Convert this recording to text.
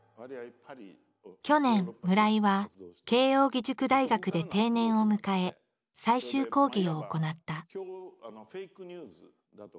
去年村井は慶應義塾大学で定年を迎え最終講義を行った。